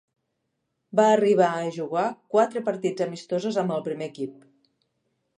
Va arribar a jugar quatre partits amistosos amb el primer equip.